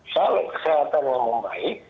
kalau kesehatannya membaik